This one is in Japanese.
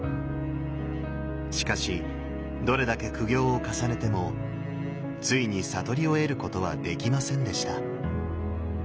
しかしどれだけ苦行を重ねてもついに悟りを得ることはできませんでした。